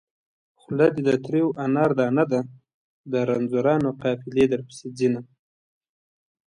خوله دې د تريو انار دانه ده د رنځورانو قافلې درپسې ځينه